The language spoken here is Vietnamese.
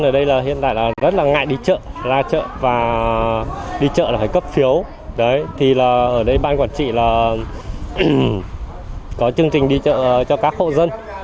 đi chợ là phải cấp phiếu thì ở đây ban quản trị là có chương trình đi chợ cho các hộ dân